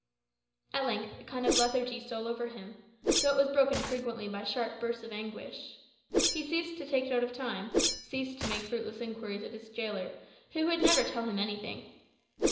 At length a kind of lethargy stole over him; though it was broken frequently by sharp bursts of anguish. He ceased to take note of time, ceased to make fruitless inquiries of his gaoler, who would never tell him anything.